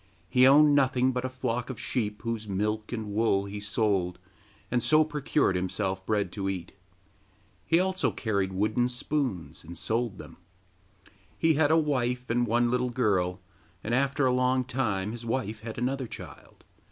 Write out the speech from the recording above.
He owned nothing but a flock of sheep, whose milk and wool he sold, and so procured himself bread to eat; he also carried wooden spoons, and sold them. He had a wife and one little girl, and after a long time his wife had another child.